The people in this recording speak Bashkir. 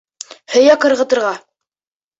Һөйәк ырғытырға...